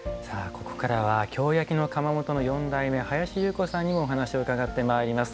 ここからは京焼の窯元の四代目林侑子さんにもお話を伺ってまいります。